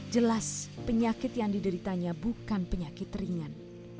jelas penyakit yang dideritanya bukan penyakit ringan